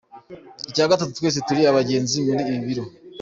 Icya gatatu, twese turi abagenzi muri ibi biro.